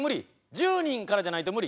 １０人からじゃないと無理？